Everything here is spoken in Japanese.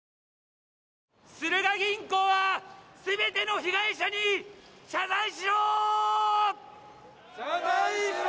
スルガ銀行は全ての被害者に謝罪しろ！